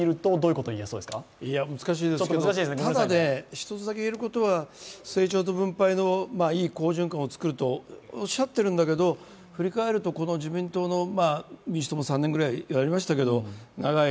一つだけ言えることは成長と分配のいい好循環を作るとおっしゃっているんだけど振り返ると自民党の民主党も３年ぐらいやりましたが長い